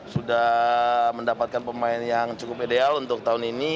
sudah mendapatkan pemain yang cukup ideal untuk tahun ini